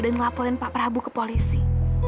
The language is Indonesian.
dan ngelaporin pak prabu ke polisi